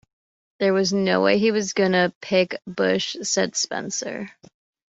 "There was no way he was going to pick Bush," said Spencer.